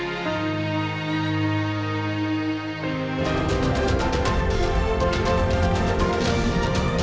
saya agus nur selamat hari imlek wong sifat zahid